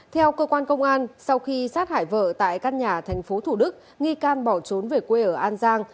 theo cơ quan công an sau khi sát hải vợ tại căn nhà tp hcm nghi can bỏ trốn về quê ở an giang